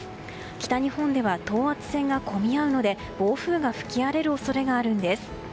北日本では等圧線が込み合うので暴風が吹き荒れる恐れがあるんです。